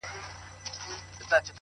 دغه سپينه سپوږمۍ،